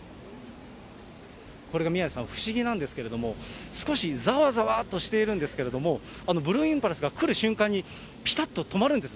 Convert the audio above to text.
これが宮根さん、不思議なんですけれども、少しざわざわとしているんですけれども、ブルーインパルスが来る瞬間に、ぴたっと止まるんです。